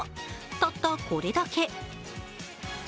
たったこれだけ。